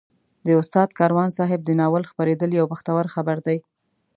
د استاد کاروان صاحب د ناول خپرېدل یو بختور خبر دی.